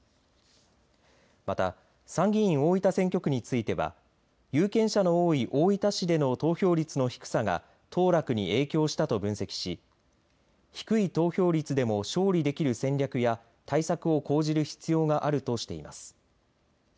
また参議院大分選挙区については有権者の多い大分市での投票率の低さが当落に影響したと分析し低い投票率でも勝利できる戦略や対策を講じる必要があるとしています。